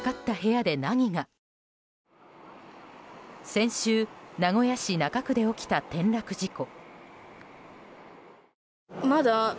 先週、名古屋市中区で起きた転落事故。